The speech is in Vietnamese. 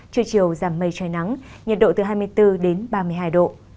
trưa chiều giảm mây trời nắng nhiệt độ từ hai mươi bốn đến ba mươi hai độ